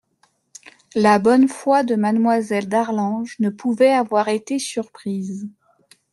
La bonne foi de Mademoiselle d'Arlange ne pouvait avoir été surprise.